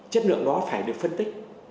chất lượng đó phải được phân tích